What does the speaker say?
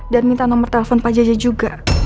dan minta nomor telepon pak jajah juga